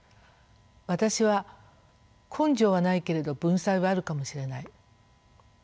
私は根性はないけれど文才はあるかもしれない。